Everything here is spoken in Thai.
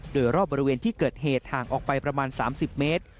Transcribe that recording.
โดยรอบบริเวณที่เกิดเหตุห่างออกไปประมาณ๓๐เมตร